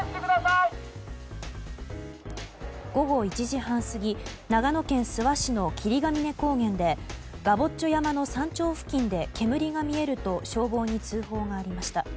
午後１時半過ぎ長野県諏訪市の霧ヶ峰高原でガボッチョ山の山頂付近で煙が見えると消防に通報がありました。